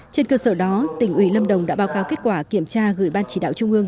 trên cơ sở đó tỉnh ủy lâm đồng đã báo cáo kết quả kiểm tra gửi ban chỉ đạo trung ương